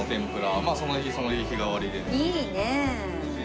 まあその日その日日替わりで。